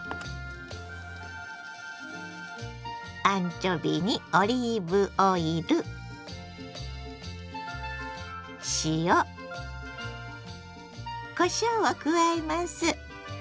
アンチョビにオリーブオイル塩こしょうを加えます。